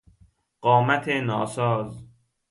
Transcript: قامت ناساز